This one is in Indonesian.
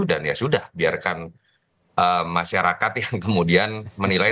dan ya sudah biarkan masyarakat yang kemudian menilai